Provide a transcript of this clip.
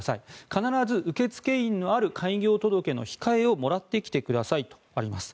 必ず受付印のある開業届の控えをもらってきてくださいとあります。